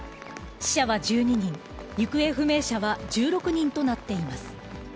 死者は１２人、行方不明者は１６人となっています。